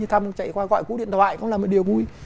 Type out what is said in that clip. thăm chạy qua gọi phụ điện thoại cũng là một điều vui